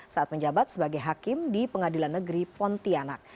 saat menjabat sebagai hakim di pengadilan negeri pontianak